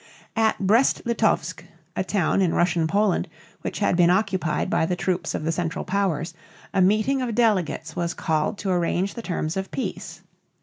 At Brest Litovsk, a town in Russian Poland which had been occupied by the troops of the Central Powers, a meeting of delegates was called to arrange the terms of peace.